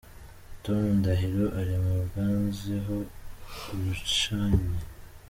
Tom Ndahiro ari mu bazwiho ubicanyi.